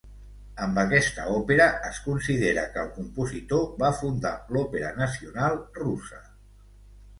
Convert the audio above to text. Amb aquesta òpera es considera que el compositor va fundar l'òpera nacional russa.